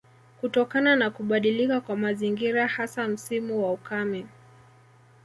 Kutokana na kubadilika kwa mazingira hasa msimu wa ukame